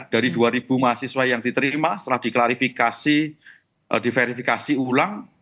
dari dua ribu mahasiswa yang diterima setelah diverifikasi ulang